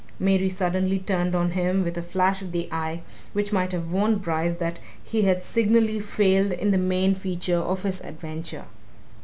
Mary suddenly turned on him with a flash of the eye which might have warned Bryce that he had signally failed in the main feature of his adventure.